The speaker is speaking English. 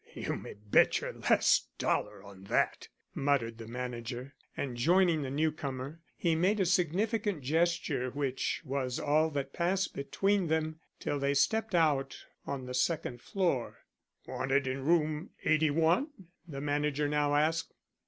"You may bet your last dollar on that," muttered the manager. And joining the new comer, he made a significant gesture which was all that passed between them till they stepped out on the second floor. "Wanted in Room 81?" the manager now asked.